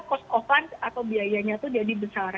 terus off line atau biayanya itu jadi besar